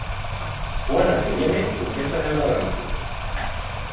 Juana deviene duquesa de Brabante.